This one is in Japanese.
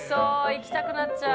行きたくなっちゃう。